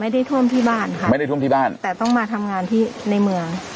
ไม่ได้ท่วมที่บ้านค่ะไม่ได้ท่วมที่บ้านแต่ต้องมาทำงานที่ในเมือง